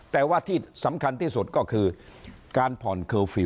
แต่ว่าที่สำคัญที่สุดก็คือการพร